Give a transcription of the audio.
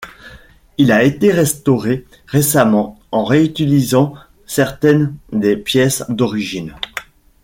Il a été restauré récemment en réutilisant certaines des pièces d'origine.